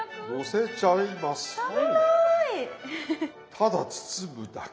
ただ包むだけ。